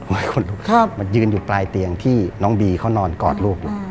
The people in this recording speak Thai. มายืนอยู่ปลายเตียงที่น้องบีเขานอนกอดลูกอยู่